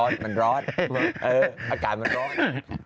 ดำเนินคดีต่อไปนั่นเองครับ